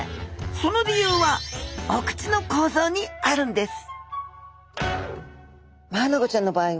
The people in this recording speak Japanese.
その理由はお口の構造にあるんです！